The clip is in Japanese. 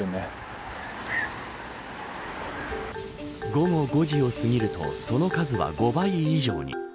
午後５時をすぎるとその数は５倍以上に。